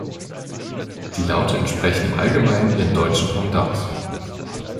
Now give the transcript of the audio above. Die Laute entsprechen im Allgemeinen ihren deutschen Pendants.